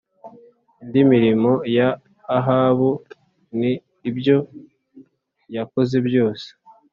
indi mirimo ya Ahabu n ibyo yakoze byose